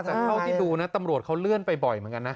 แต่เท่าที่ดูนะตำรวจเขาเลื่อนไปบ่อยเหมือนกันนะ